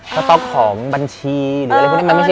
สต๊อกของบัญชีหรืออะไรพวกนี้